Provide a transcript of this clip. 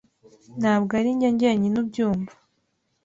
Ntabwo ari njye jyenyine ubyumva.